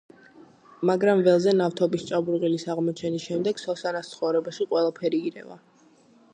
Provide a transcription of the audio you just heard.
მაგრამ ველზე ნავთობის ჭაბურღილის აღმოჩენის შემდეგ სოსანას ცხოვრებაში ყველაფერი ირევა.